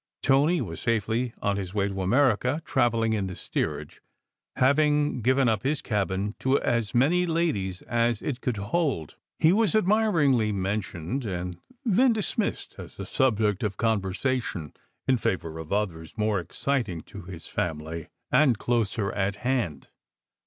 Tony was safely on his way to America, travelling in the steerage, 258 SECRET HISTORY having given up his cabin to as many ladies as it could hold. He was admiringly mentioned, and then dismissed as a subject of conversation in favour of others more exciting to his family and closer at hand.